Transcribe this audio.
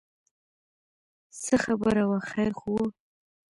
څه خبره وه خیر خو و.